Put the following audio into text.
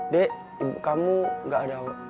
dek ibu kamu gak ada